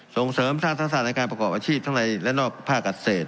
ส่งเสริมทรัพย์สร้างในการประกอบอาชีพทั้งในและนอกภาคกัศเศษ